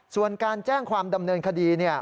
ส่วนการแจ้งความดำเนินคดีเนี่ย